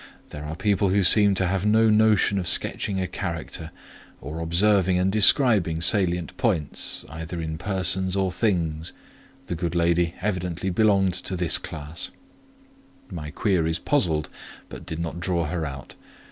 There are people who seem to have no notion of sketching a character, or observing and describing salient points, either in persons or things: the good lady evidently belonged to this class; my queries puzzled, but did not draw her out.